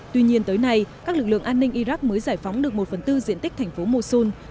tuy nhiên tới nay các lực lượng an ninh iraq mới giải phóng được một phần tư diện tích thành phố mosun